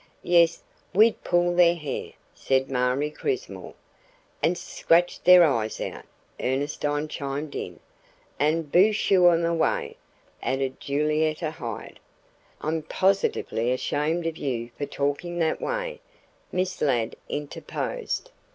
"Yes, we'd pull their hair," said Marie Crismore. "And scratch their eyes out," Ernestine chimed in. "And boo shoo 'em away," added Julietta Hyde. "I'm positively ashamed of you for talking that way," Miss Ladd interposed.